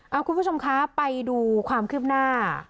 เอาคุณผู้ชมคะไปดูความคืบหน้า